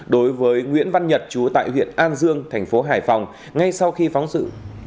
đối với nguyễn văn nhật chú tại huyện an dương tp hải phòng ngay sau khi phóng sự